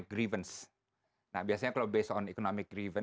nah biasanya kalau berdasarkan kemurahan ekonomi kan ada